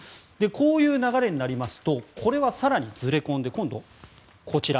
こういう流れになりますとこれは更にずれ込んで今度、こちら。